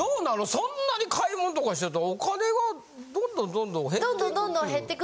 そんなに買い物とかしてるとお金がどんどん減っていく。